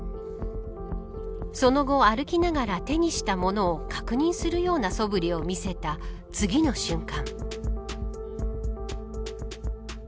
その後、歩きながら手にしたものを確認するようなそぶりを見せた次の瞬間。